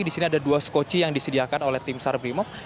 di sini ada dua skoci yang disediakan oleh tim sar brimob